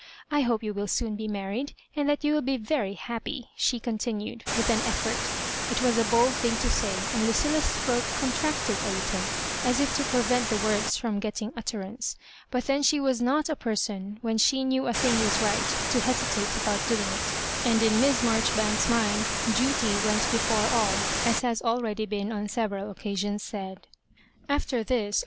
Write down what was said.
I hope you will soon be married, and that you will be very happy," she continued, with an effort It was a bold thing to say, and Lucilla's throat contracted a little, as if to prevent the words firom getting utterance; but then she was n<# a person, when she knew a thing was rights to hesitate about doing it; and in Miss Marjoribanks's mind duty went before all, as has already been on several occasions said. Afi; er this a.